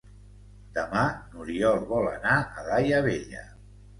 Demà n'Oriol vol anar a Daia Vella.